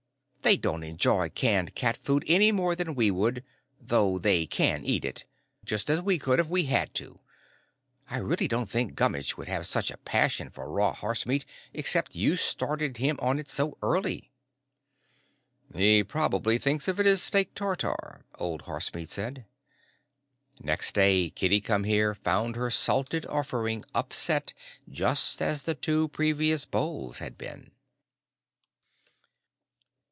They don't enjoy canned catfood any more than we would, though they can eat it. Just as we could if we had to. I really don't think Gummitch would have such a passion for raw horsemeat except you started him on it so early." "He probably thinks of it as steak tartare," Old Horsemeat said. Next day Kitty Come Here found her salted offering upset just as the two previous bowls had been.